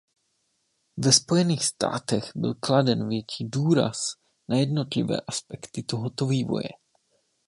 Ve Spojených státech byl kladen větší důraz na jednotlivé aspekty tohoto vývoje.